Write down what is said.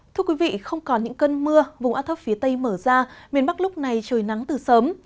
thưa quý vị không còn những cơn mưa vùng áo thấp phía tây mở ra miền bắc lúc này trời nắng từ sớm